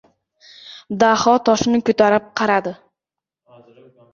Daho toshni ko‘tarib qaradi.